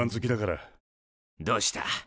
どうした？